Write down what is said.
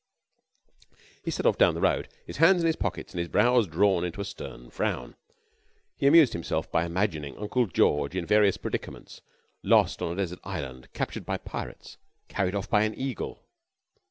He set off down the road, his hands in his pockets and his brows drawn into a stern frown. He amused himself by imagining Uncle George in various predicaments, lost on a desert island, captured by pirates, or carried off by an eagle.